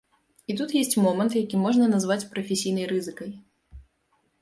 І тут ёсць момант, які можна назваць прафесійнай рызыкай.